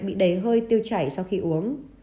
bị đầy hơi tiêu chảy sau khi uống